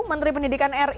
menteri pendidikan erasmus